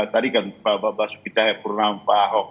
tadi kan pak basuki cahayapurnama pak ahok